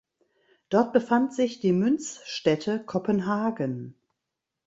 Dort befand sich die Münzstätte Kopenhagen.